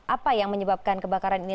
apa yang menyebabkan kebakaran ini